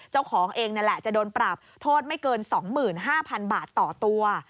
เจ้าของเองนั่นแหละจะโดนปรับโทษไม่เกิน๒๕๐๐๐บาทต่อตัว